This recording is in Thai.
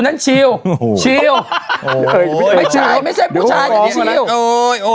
ไม่ใช่ผู้ชาย